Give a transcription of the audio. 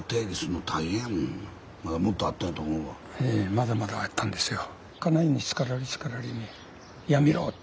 まだまだあったんですよ。